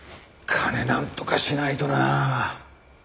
金なんとかしないとなあ。